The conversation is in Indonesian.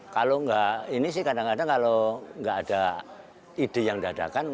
kalau nggak ini sih kadang kadang kalau nggak ada ide yang dadakan